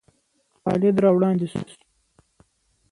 خالد را وړاندې شو.